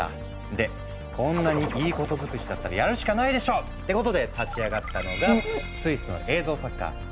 でこんなにいいこと尽くしだったらやるしかないでしょってことで立ち上がったのがスイスの映像作家